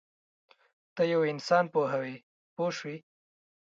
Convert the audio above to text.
ته یو انسان پوهوې پوه شوې!.